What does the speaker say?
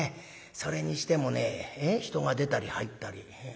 それにしてもね人が出たり入ったり。